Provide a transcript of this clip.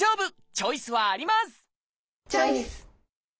チョイス！